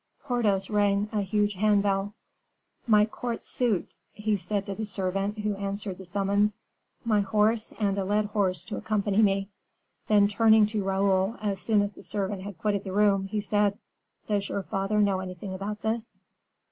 Porthos ran a huge hand bell. "My court suit," he said to the servant who answered the summons, "my horse, and a led horse to accompany me." Then turning to Raoul, as soon as the servant had quitted the room, he said: "Does your father know anything about this?"